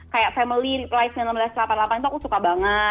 kayak family life seribu sembilan ratus delapan puluh delapan itu aku suka banget